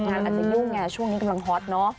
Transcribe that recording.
อาจจะยุ่งไงช่วงนี้กำลังฮอตเนอะ